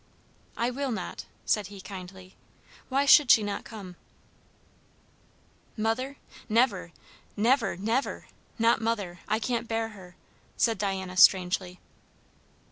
"I will not," said he kindly. "Why should she not come?" "Mother? never. Never, never! Not mother. I can't bear her" said Diana strangely.